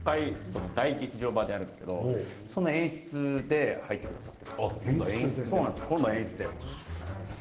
大劇場版をやるんですけれどその演出で入ってくださっています。